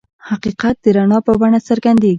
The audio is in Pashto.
حقیقت د رڼا په بڼه څرګندېږي.